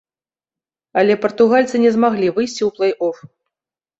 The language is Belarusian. Але партугальцы не змаглі выйсці ў плэй-оф.